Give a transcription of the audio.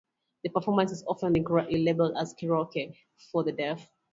The performance is often incorrectly labelled as "Karaoke for the Deaf".